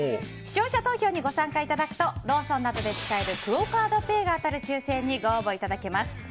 視聴者投票にご参加いただくとローソンなどで使えるクオ・カードペイが当たる抽選にご応募いただけます。